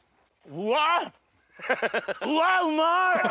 うわっうまい！